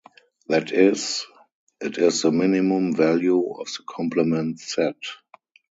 That is, it is the minimum value of the complement set.